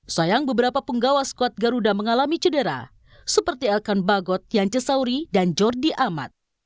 sayang beberapa penggawa skuad garuda mengalami cedera seperti elkon bagot yance sauri dan jordi amat